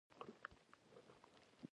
اروپا له اړخه کاملا متفاوته وه.